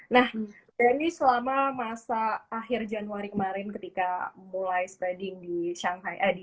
nah benny selama masa akhir januari kemarin ketika mulai studing di shanghai